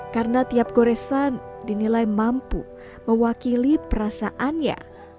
karena tiap goresan dinilai mampu mewakili perasaannya